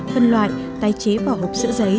phân loại tái chế bỏ hộp sữa giấy